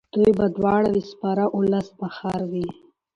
دوی به دواړه وي سپاره اولس به خر وي.